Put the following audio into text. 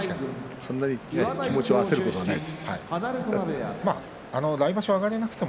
そんなに焦ることはないです。